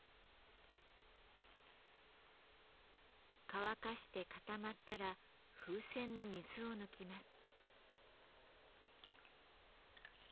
乾かして固まったら風船の水を抜きます。